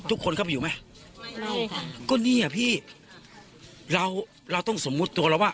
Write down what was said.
ทุกคนเข้าไปอยู่ไหมก็นี่อ่ะพี่เราเราต้องสมมุติตัวเราว่า